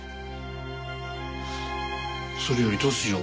それよりどうしよう